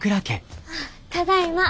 ただいま。